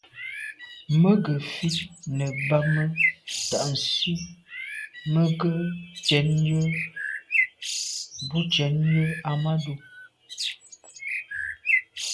Mə̀ gə ̀fít nə̀ bɑ́mə́ tà' nsí mə̄ gə́ cɛ̌d yə́ bú cɛ̌d Ahmadou.